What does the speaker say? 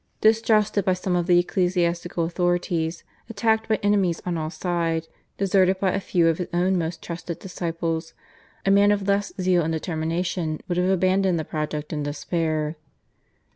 Distrusted by some of the ecclesiastical authorities, attacked by enemies on all side, deserted by a few of his own most trusted disciples, a man of less zeal and determination would have abandoned the project in despair.